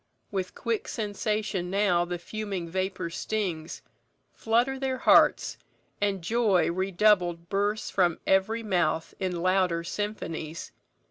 With quick sensation now The fuming vapour stings; flutter their hearts, And joy redoubled bursts from every mouth In louder symphonies.